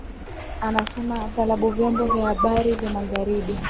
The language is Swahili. anasema aghalab vyombo vya habari vya magharibi